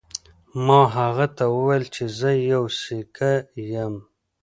ما هغه ته وویل چې زه یو سیکه یم.